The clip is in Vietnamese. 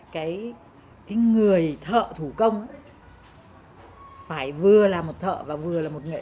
cái người thợ thủ công phải vừa là một thợ và vừa là một nghệ sĩ